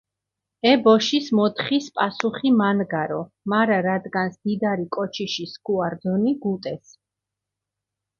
ე ბოშის მოთხის პასუხი მანგარო, მარა რადგანს დიდარი კოჩიში სქუა რდჷნი, გუტეს.